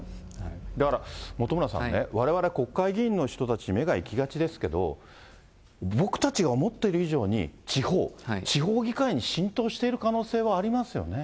だから本村さんね、われわれ、国会議員の人たちに目が行きがちですけれども、僕たちが思っている以上に、地方、地方議会に浸透している可能性はありますよね。